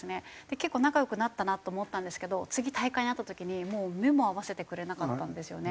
結構仲良くなったなと思ったんですけど次大会で会った時にもう目も合わせてくれなかったんですよね。